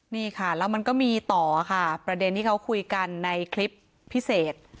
นี่ค่ะแล้วมันก็มีต่อค่ะประเด็นที่เขาคุยกันในคลิปพิเศษ